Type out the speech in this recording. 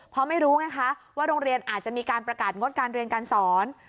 เพราะไม่รู้ไงคะว่าโรงเรียนอาจจะมีการประกาศงดการเรียนการสอน